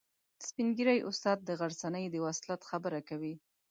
سپین ږیری استاد د غرڅنۍ د وصلت خبره کوي.